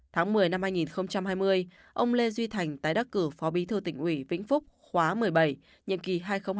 tháng một mươi năm hai nghìn hai mươi ông lê duy thành tái đắc cử phó bí thư tỉnh ủy vĩnh phúc khóa một mươi bảy nhiệm kỳ hai nghìn hai mươi hai nghìn hai mươi